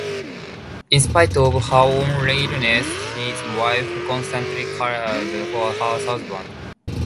In spite of her own illness, his wife constantly cared for her husband.